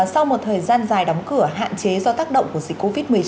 sau một thời gian dài đóng cửa hạn chế do tác động của dịch covid một mươi chín